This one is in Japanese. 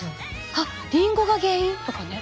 「あっリンゴが原因？」とかね。